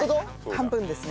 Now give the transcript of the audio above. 半分ですね。